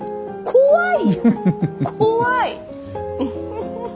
怖い。